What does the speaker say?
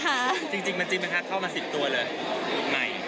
ช่างจริงมันจริงไหมคะเข้ามา๑๐ตัวเลย